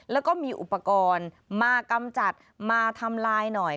แล้วก็มีอุปกรณ์มากำจัดมาทำลายหน่อย